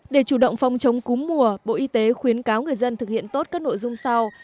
để chủ động phòng chống cúm mùa bộ y tế khuyến cáo người dân thực hiện tốt các nội dung sau